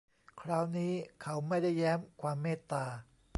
คราวนี้เขาไม่ได้แย้มความเมตตา